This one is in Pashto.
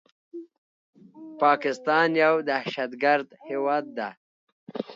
پاکستان يو دهشتګرد هيواد ده